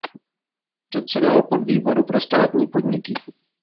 Předsedal podvýboru pro státní podniky.